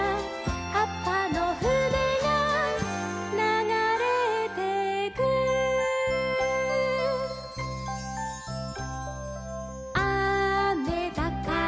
「はっぱのふねがながれてく」「あめだから」